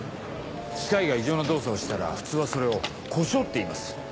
機械が異常な動作をしたら普通はそれを故障って言います。